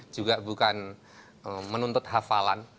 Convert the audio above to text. juga bukan menuntut hafalan